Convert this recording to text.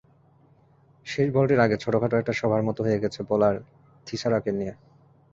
শেষ বলটির আগে ছোটখাটো একটা সভার মতো হয়ে গেছে বোলার থিসারাকে নিয়ে।